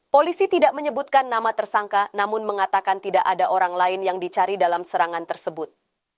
polisi tidak menyebutkan nama tersangka namun mengatakan tidak ada orang lain yang dicari dalam serangan tersebut